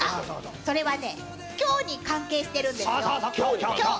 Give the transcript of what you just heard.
それはね、今日に関係してるんですよ。